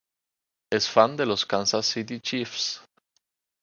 Es fan de los "Kansas City Chiefs".